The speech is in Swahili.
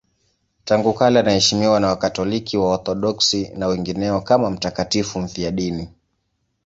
Tangu kale anaheshimiwa na Wakatoliki, Waorthodoksi na wengineo kama mtakatifu mfiadini.